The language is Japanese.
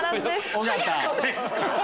尾形。